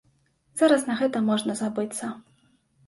Зараз на гэта можна забыцца.